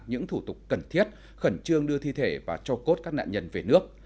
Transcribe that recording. những thủ tục cần thiết khẩn trương đưa thi thể và cho cốt các nạn nhân về nước